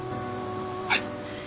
はい。